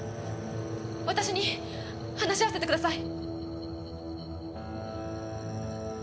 私に話し合わせてください。